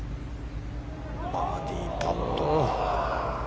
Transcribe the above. バーディーパット。